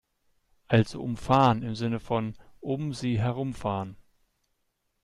Also umfahren im Sinne von "um sie herumfahren".